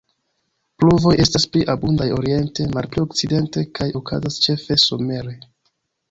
Pluvoj estas pli abundaj oriente, malpli okcidente, kaj okazas ĉefe somere.